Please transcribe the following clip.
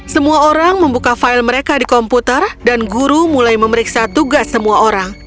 semua orang membuka file mereka di komputer dan guru mulai memeriksa tugas semua orang